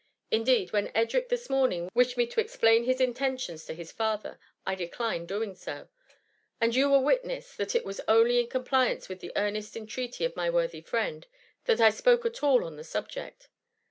In deed, when Edric this morning wished me to explain his intentions to his father, I declined doing so; and you were witness, that it was only in compliance with the earnest entreaty of my worthy friend, that I spoke at all on the subject.